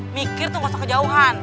mikir tuh gak usah kejauhan